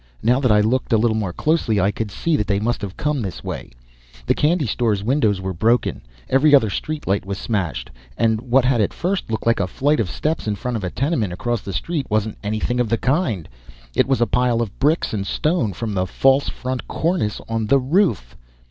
Now that I looked a little more closely I could see that they must have come this way; the candy store's windows were broken; every other street light was smashed; and what had at first looked like a flight of steps in front of a tenement across the street wasn't anything of the kind it was a pile of bricks and stone from the false front cornice on the roof!